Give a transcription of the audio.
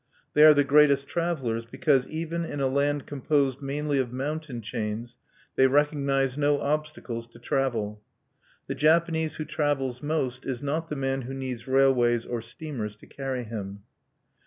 They are the greatest travelers because, even in a land composed mainly of mountain chains, they recognize no obstacles to travel. The Japanese who travels most is not the man who needs railways or steamers to carry him.